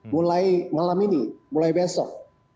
mulai malam ini mulai besok